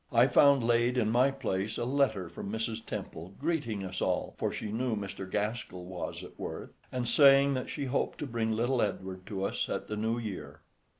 I found laid in my place a letter from Mrs. Temple greeting us all (for she knew Mr. Gaskell was at Worth), and saying that she hoped to bring little Edward to us at the New Year.